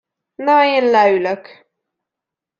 Na én leülök.